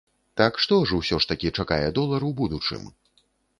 Так што ж усё ж такі чакае долар у будучым?